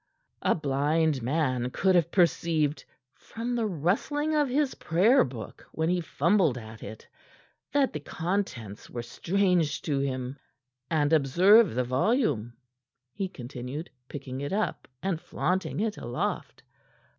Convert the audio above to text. "A blind man could have perceived, from the rustling of his prayer book when he fumbled at it, that the contents were strange to him. And observe the volume," he continued, picking it up and flaunting it aloft.